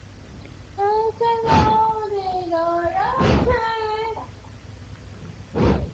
旗下上市公司则有万事昌国际控股有限公司。